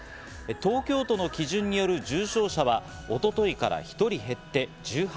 東京都の基準による重症者は一昨日から１人減って１８人。